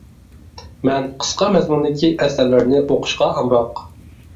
مەن قىسقا مەزمۇندىكى ئەسەرلەرنى ئوقۇشقا ئامراق.